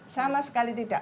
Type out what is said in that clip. sama sekali tidak